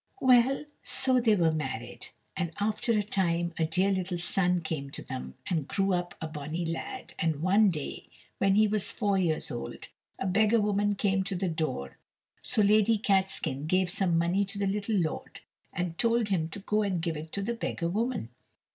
Well, so they were married, and after a time a dear little son came to them, and grew up a bonny lad; and one day, when he was four years old, a beggar woman came to the door, so Lady Catskin gave some money to the little lord and told him to go and give it to the beggar woman.